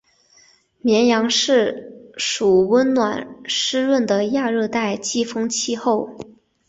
绵阳市属温暖湿润的亚热带季风气候。